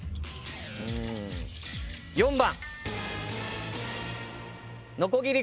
４番。